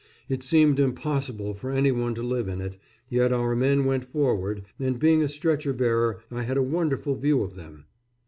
It seemed impossible for any one to live in it, yet our men went forward, and being a stretcher bearer I had a wonderful view of them.